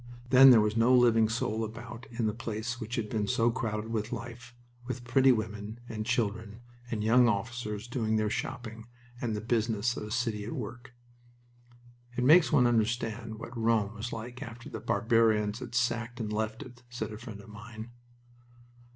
Then there was no living soul about in the place which had been so crowded with life, with pretty women and children, and young officers doing their shopping, and the business of a city at work. "It makes one understand what Rome was like after the barbarians had sacked and left it," said a friend of mine.